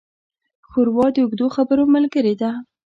ښوروا د اوږدو خبرو ملګري ده.